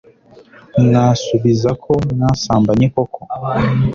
mwasubiza ko mwasambanye koko